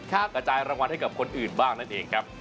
กระจายรางวัลให้กับคนอื่นบ้างนั่นเองครับ